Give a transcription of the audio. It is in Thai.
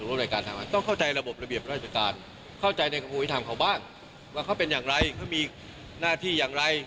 กับการทำงานของกรกฏอเสียงวิจารณ์ออกมาเยอะมากเลย